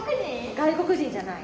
外国人じゃない。